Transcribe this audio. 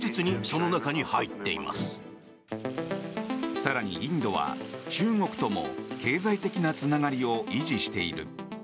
更に、インドは中国とも経済的なつながりを維持している。